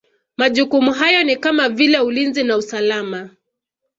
Majukumu hayo ni kama vile Ulinzi na usalama